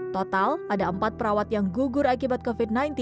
total ada empat perawat yang gugur akibat covid sembilan belas